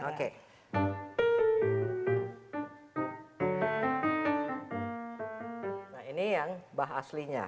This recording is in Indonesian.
nah ini yang bach aslinya